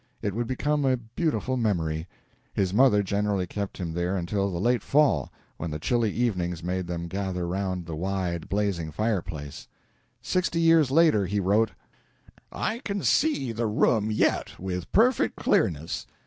It would become a beautiful memory. His mother generally kept him there until the late fall, when the chilly evenings made them gather around the wide, blazing fireplace. Sixty years later he wrote: "I can see the room yet with perfect clearness.